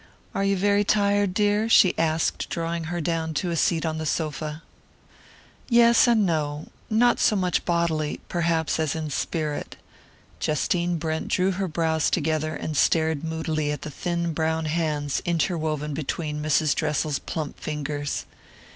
"Are you very tired, dear?" she asked drawing her down to a seat on the sofa. "Yes, and no not so much bodily, perhaps, as in spirit." Justine Brent drew her brows together, and stared moodily at the thin brown hands interwoven between Mrs. Dressel's plump fingers.